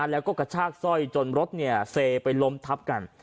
แล้วก็กระชากสร้อยจนรถเซไปล้มทับกัน